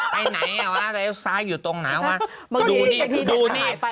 ไปไหนอ่าวาาซ้ายอยู่ตรงไหนวะ